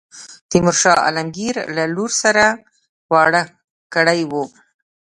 تیمور شاه عالمګیر له لور سره واړه کړی وو.